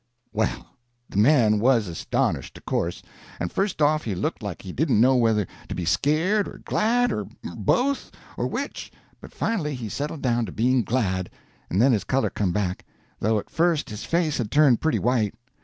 Well, the man was astonished, of course; and first off he looked like he didn't know whether to be scared, or glad, or both, or which, but finally he settled down to being glad; and then his color come back, though at first his face had turned pretty white.